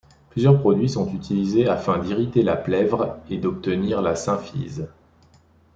Plusieurs produits sont utilisés afin d'irriter la plèvre et d'obtenir la symphyse.